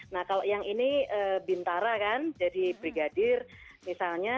nah kalau yang ini bintara kan jadi brigadir misalnya